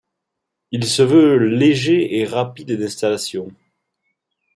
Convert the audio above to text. Il se veut léger et rapide d'installation.